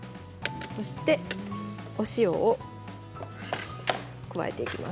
そして、お塩を加えていきます。